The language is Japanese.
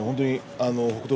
北勝